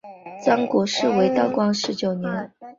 张国士为道光十九年张之万榜二甲进士。